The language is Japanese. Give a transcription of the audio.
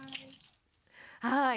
はい。